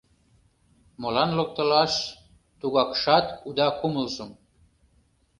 Молан локтылаш тугакшат уда кумылжым?